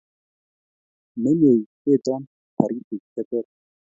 Menyei keto toritik che ter